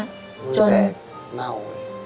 แบบเงา